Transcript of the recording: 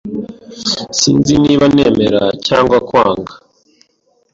Sinzi niba nemera cyangwa kwanga.